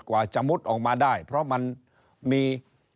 กว่าจะมุดออกมาได้เพราะมันมี